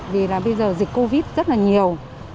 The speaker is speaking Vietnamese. vì bây giờ dịch covid rất là nhiều